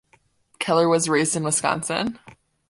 Keller was raised in Wisconsin.